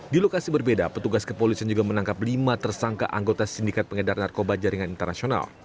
di lokasi berbeda petugas kepolisian juga menangkap lima tersangka anggota sindikat pengedar narkoba jaringan internasional